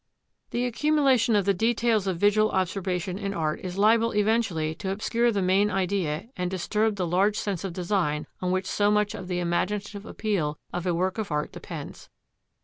The accumulation of the details of visual observation in art is liable eventually to obscure the main idea and disturb the large sense of design on which so much of the imaginative appeal of a work of art depends.